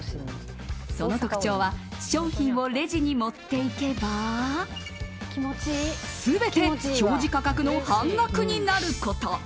その特徴は商品をレジに持っていけば全て表示価格の半額になること。